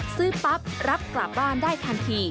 ซื้อปั๊บรับกลับบ้านได้ทันที